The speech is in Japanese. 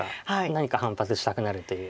何か反発したくなるという。